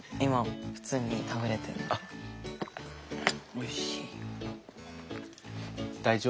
おいしい。